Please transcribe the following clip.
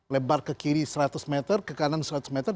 lebar ke kiri seratus meter ke kanan seratus meter